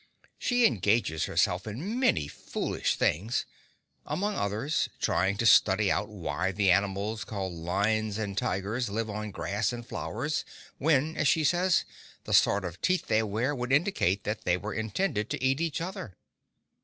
She engages herself in many foolish things: among others, trying to study out why the animals called lions and tigers live on grass and flowers, when, as she says, the sort of teeth they wear would indicate that they were intended to eat each other.